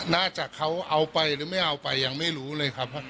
น่าจะเขาเอาไปหรือไม่เอาไปยังไม่รู้เลยครับ